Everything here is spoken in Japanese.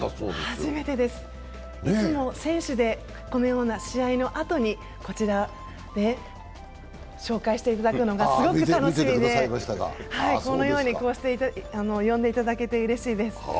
初めてです、いつも選手で試合のあとにこちらで紹介していただくのがすごく楽しみで、このようにこうして呼んでいただけてうれしいです。